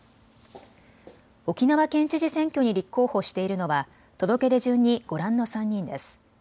沖縄県知事選挙に立候補しているのは届け出順にご覧の３人です。